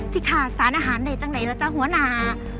ที่ขาดสารอาหารใดจังใดแล้วเจ้าหัวหนา